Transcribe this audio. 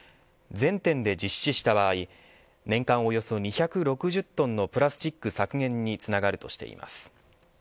全店で実施した場合年間およそ２６０トンのプラスチック削減につながるとしています。